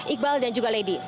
iqbal dan juga lady